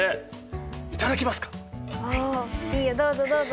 あいいよどうぞどうぞ。